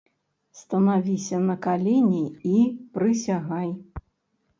Станавіся на калені і прысягай!